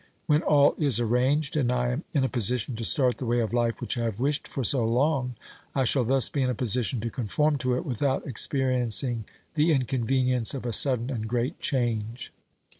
When all is arranged, and I am in a position to start the way of life which I have wished for so long, I shall thus be in a position to conform to it without experiencing the inconvenience of a sudden and great change.